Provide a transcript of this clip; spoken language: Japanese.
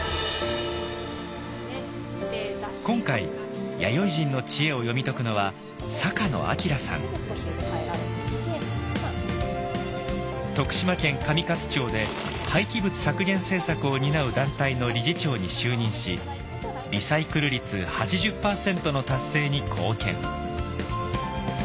今回弥生人の知恵を読み解くのは徳島県上勝町で廃棄物削減政策を担う団体の理事長に就任しリサイクル率８０％の達成に貢献。